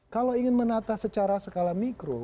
kalau ingin menata secara skala mikro